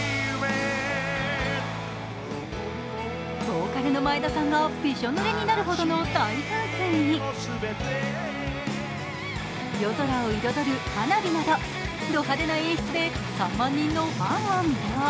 ボーカルの前田さんがびしょぬれになるほどの大噴水に夜空を彩る花火などド派手な演出で３万人のファンを魅了。